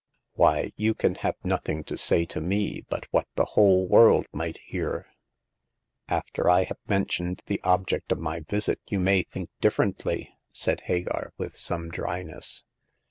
" Why, you can have nothing to say to me but w^hat the whole world might hear !" "After I have mentioned the object of my visit you may think differently," said Hagar, with some dryness.